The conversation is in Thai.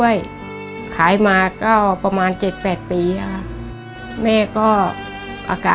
เย่นชัย